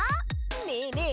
ねえねえ